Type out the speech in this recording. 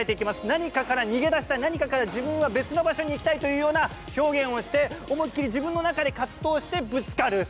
何かから逃げ出したい何かから自分は別の場所に行きたいという表現をして思い切り自分の中で葛藤してぶつかる。